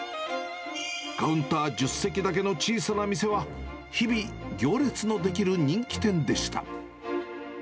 カウンター１０席だけの小さな店は、日々、行列の出来る人気店でした。